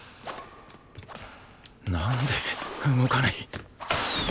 なんで動かない？